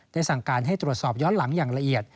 สั่งการให้ตรวจสอบย้อนหลังอย่างละเอียด